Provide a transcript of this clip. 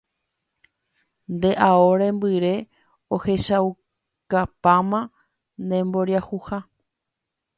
Nde ao rembyre ohechaukapáma nemboriahuha.